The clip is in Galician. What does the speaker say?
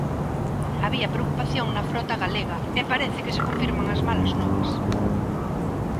Había preocupación na frota galega, e parece que se confirman as malas novas.